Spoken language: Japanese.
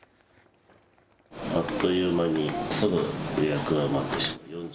あっという間にすぐ予約が埋まってしまう。